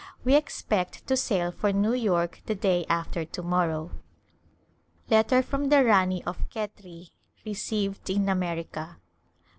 We expect to sail for New York the day after to morrow. (Letter from the Rani of Khetri. — Received in America.)